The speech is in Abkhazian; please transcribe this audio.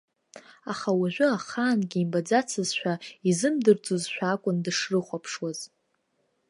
Аха уажәы ахаангьы имбаӡацызшәа, изымдырӡошәа акәын дышрыхәаԥшуаз.